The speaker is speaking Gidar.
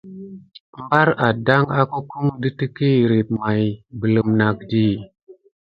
Mbar addan akokum də teky hirip may bələm nakdi.